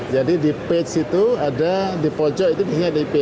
jadi di page itu ada di pojok itu di sini ada ip